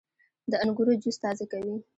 • د انګورو جوس تازه کوي.